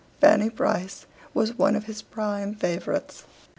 "Fanny Price" was one of his prime favourites.'